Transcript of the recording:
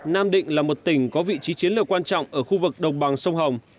nam định là một tỉnh có vị trí chiến lược quan trọng ở khu vực đồng bằng sông hồng